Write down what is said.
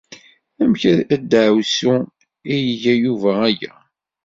Amek a ddeɛwessu ay iga Yuba aya?